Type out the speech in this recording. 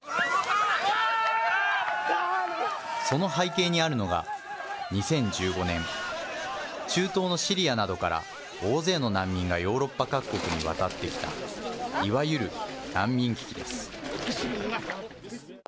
その背景にあるのが、２０１５年、中東のシリアなどから大勢の難民がヨーロッパ各国に渡ってきたいわゆる難民危機です。